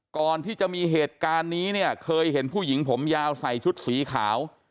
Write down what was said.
ก่อนที่จะมีเหตุการณ์นี้เนี่ยเคยเห็นผู้หญิงผมยาวใส่ชุดสีขาว